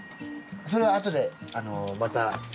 それは後でまた。